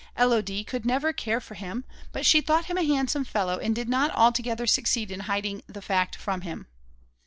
Élodie could never care for him; but she thought him a handsome fellow and did not altogether succeed in hiding the fact from him.